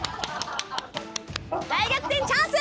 大逆転チャンス！